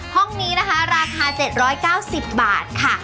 ห้องนี้นะคะราคา๗๙๐บาทค่ะ